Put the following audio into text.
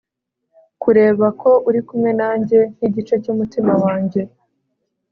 kureba ko uri kumwe nanjye nkigice cyumutima wanjye